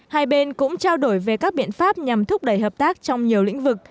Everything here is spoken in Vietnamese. hai bên cũng trao đổi về các biện pháp nhằm thúc đẩy hợp tác trong nhiều lĩnh vực